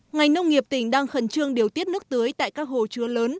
ngành nông nghiệp tỉnh đang khẩn trương điều tiết nước tưới tại các hồ chứa lớn